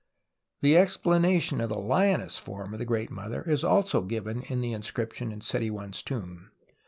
The explanation of the lioness form of the Great Mother is also given in the inscription in Seti I's tomb.